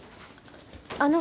あの。